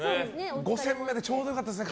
５戦目でちょうど良かったですね